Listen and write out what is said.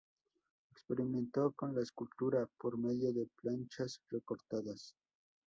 Experimentó con la escultura, por medio de planchas recortadas.